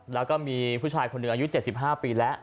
แล้วก็มีผู้ชายคนหนึ่งอายุ๗๕ปีแล้ว